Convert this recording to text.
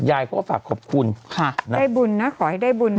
ยายเขาก็ฝากขอบคุณค่ะได้บุญนะขอให้ได้บุญนะ